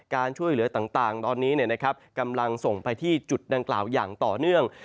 การช่วยเหลือต่างต่างตอนนี้เนี่ยนะครับกำลังส่งไปที่จุดนางกล่าวอย่างต่อเนื่อง